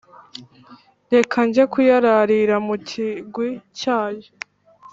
reka njye kuyararira mu kigwi cyayo.